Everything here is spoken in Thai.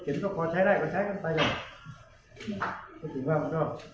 ชีวิตเขาดูว่ามันบากตั้งใส่กางเกงผ้าหน้าอุดเข็ด